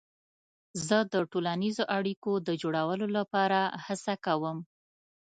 زه د ټولنیزو اړیکو د جوړولو لپاره هڅه کوم.